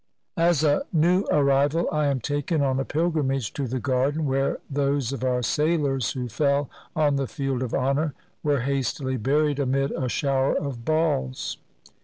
As a new arrival I am taken on a pilgrimage to the garden where those of our sailors who fell on the field of honor were hastily buried amid a shower of balls.